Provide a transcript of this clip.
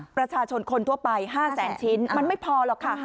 ประชาชนคนทั่วไป๕แสนชิ้นมันไม่พอหรอกค่ะ